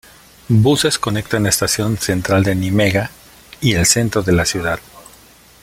Buses conectan la Estación Central de Nimega y el centro de la ciudad.